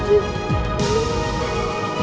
gak akan aku lepasin aku